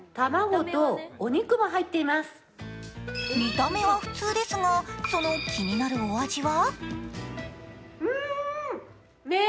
見た目は普通ですが、その気になるお味は？